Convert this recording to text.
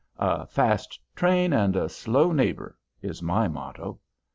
"A fast train and a 'slow' neighbor," is my motto.